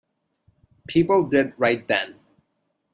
People did right then.